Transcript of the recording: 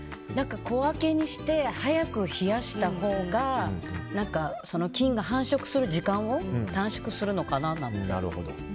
小分けにして早く冷やしたほうが菌が繁殖する時間を短縮するのかななんて。